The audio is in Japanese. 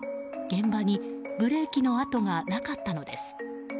現場にブレーキの跡がなかったのです。